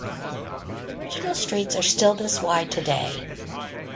The original streets are still this wide today.